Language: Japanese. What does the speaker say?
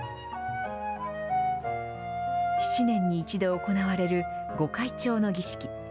７年に１度行われる御開帳の儀式。